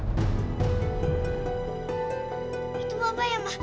itu bapak ya ma